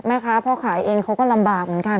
พ่อขายเองเขาก็ลำบากเหมือนกัน